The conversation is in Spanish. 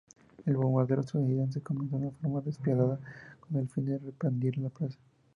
El bombardeo estadounidense comenzó en forma despiadada, con el fin de rendir la plaza.